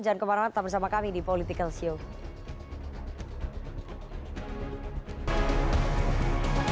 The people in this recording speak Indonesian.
jangan kemana mana tetap bersama kami di political show